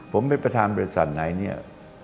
ผมเป็นประธานบริษัทไหน